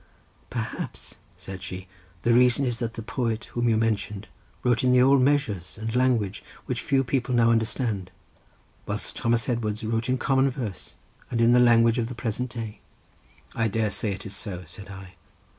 "Perhaps," said she, "the reason is that the poet, whom you mentioned, wrote in the old measures and language which few people now understand, whilst Thomas Edwards wrote in common verse and in the language of the present day." "I dare say it is so," said I.